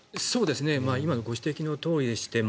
今のご指摘のとおりでして